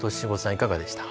いかがでした？